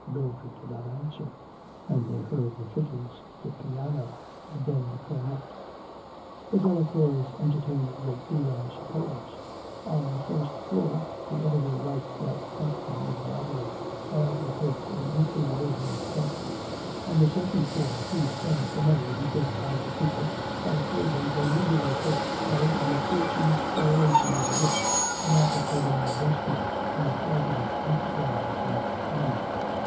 Mildred did not answer, and they heard the fiddles, the piano, and then the cornet. 'The Delacours entertain a great deal, I suppose: on the first floor the editor writes that property is robbery, and advocates an equal division of property; on the second floor he spends the money he gets out of the people by holding illusory hopes of an approaching spoliation of the rich, and advocating investment in a fraudulent enterprise like Panama....